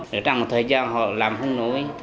từ trong thời gian họ làm hùng nối